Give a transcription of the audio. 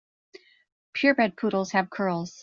Pure bred poodles have curls.